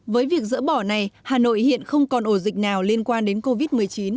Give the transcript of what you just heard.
với việc dỡ bỏ này hà nội hiện không còn ổ dịch nào liên quan đến covid một mươi chín